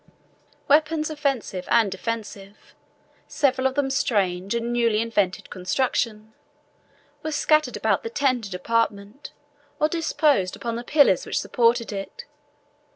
Weapons offensive and defensive, several of them of strange and newly invented construction, were scattered about the tented apartment, or disposed upon the pillars which supported it.